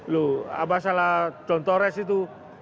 loh apa salah john torres itu